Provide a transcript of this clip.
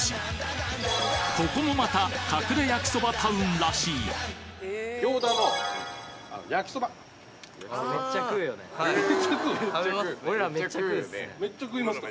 ここもまた隠れ焼きそばタウンらしいめっちゃ食いますか？